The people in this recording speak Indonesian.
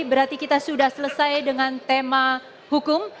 berarti kita sudah selesai dengan tema hukum